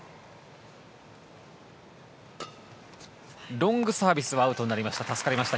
ロングサービスアウトになりました。